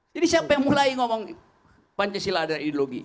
jadi siapa yang mulai ngomong pancasila adalah ideologi